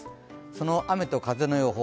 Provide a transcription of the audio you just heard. その雨と風の予報。